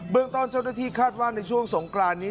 เรื่องต้นเจ้าหน้าที่คาดว่าในช่วงสงกรานนี้